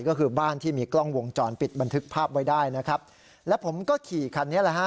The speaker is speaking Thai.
ก็คือบ้านที่มีกล้องวงจรปิดบันทึกภาพไว้ได้นะครับแล้วผมก็ขี่คันนี้แหละฮะ